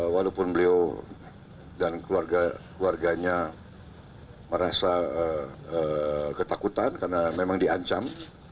walaupun beliau dan keluarganya merasa ketakutan karena memang diancam